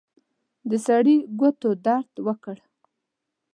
د سړي ګوتو درد وکړ.